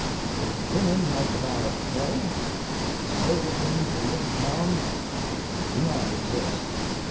If women had the ballot to day, the state of things in this town would not exist.